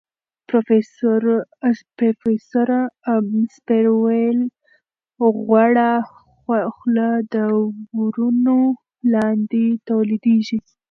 پروفیسوره سپېر وویل غوړه خوله د ورنونو لاندې تولیدېږي.